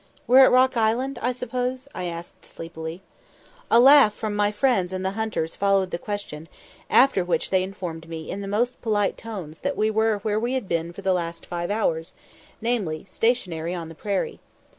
"We're at Rock Island, I suppose?" I asked sleepily. A laugh from my friends and the hunters followed the question; after which they informed me in the most polite tones that we were where we had been for the last five hours, namely stationary on the prairie.